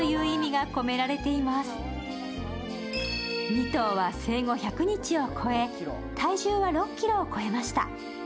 ２頭は生後１００日を超え、体重は６ｋｇを超えました。